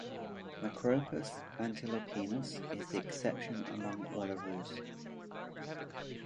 "Macropus antilopinus" is the exception among wallaroos.